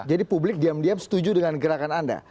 jadi publik diam diam setuju dengan gerakan anda